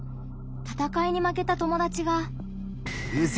たたかいに負けた友達が。